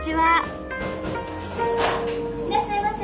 いらっしゃいませ。